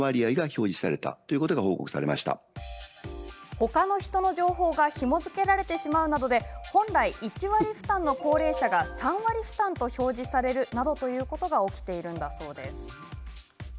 他の人の情報がひも付けられてしまうなどで本来１割負担の高齢者が３割負担と表示されるなどということが起きているんだそう。